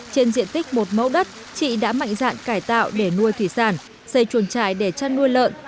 trên diện tích một mẫu đất chị đã mạnh dạn cải tạo để nuôi thủy sản xây chuồng trại để chăn nuôi lợn